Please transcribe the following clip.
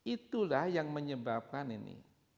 itulah yang menyebabkan ini